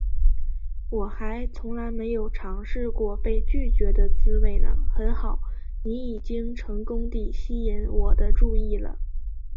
我还从来没有尝试过被拒绝的滋味呢，很好，你已经成功地引起我的注意了